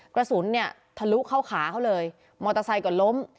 กระสุนเนี่ยทะลุเข้าขาเขาเลยมอเตอร์ไซค์ก็ล้ม